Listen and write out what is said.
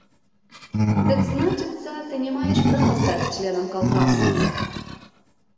Дык, значыцца, ты не маеш права стаць членам калгаса.